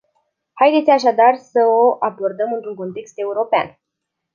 Haideți așadar să o abordăm într-un context european.